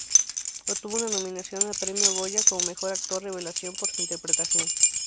Obtuvo una nominación al premio Goya como Mejor Actor Revelación por su interpretación.